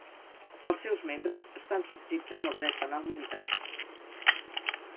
Els seus membres estan subjectes al dret penal militar.